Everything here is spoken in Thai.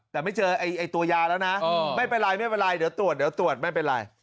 แต่ไม่เจอตัวยาแล้วนะไม่เป็นไรเดี๋ยวตรวจไม่เป็นไร